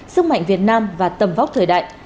sức mạnh việt nam và tầm vóc thời đại